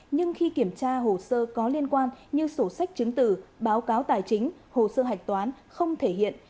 nhưng khi kiểm tra hồ sơ có liên quan như sổ sách chứng tử báo cáo tài chính hồ sơ hạch toán không thể hiện